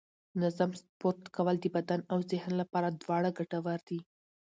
منظم سپورت کول د بدن او ذهن لپاره دواړه ګټور دي